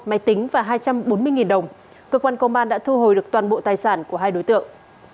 máy tính và hai trăm bốn mươi đồng cơ quan công an đã thu hồi được toàn bộ tài sản của hai đối tượng